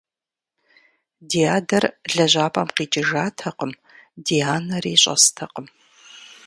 Ди адэр лэжьапӀэм къикӀыжатэкъым, ди анэри щӀэстэкъым.